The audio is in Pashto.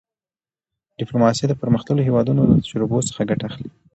ډیپلوماسي د پرمختللو هېوادونو له تجربو څخه ګټه اخلي.